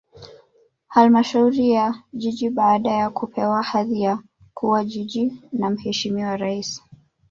Halmashauri ya Jiji baada ya kupewa hadhi ya kuwa Jiji na Mheshimiwa Rais